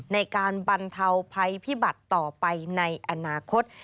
ในการบรรเทาภัยพิบัติต่อไปในอนาคต